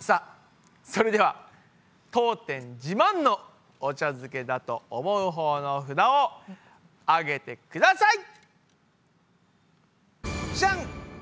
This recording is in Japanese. さあそれでは当店自慢のお茶漬けだと思うほうの札を上げてください！じゃん！